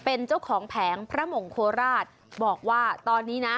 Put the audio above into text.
เป็นเจ้าของแผงพระหมงโคราชบอกว่าตอนนี้นะ